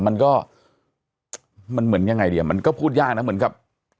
มันก็มันเหมือนยังไงดีอ่ะมันก็พูดยากนะเหมือนกับ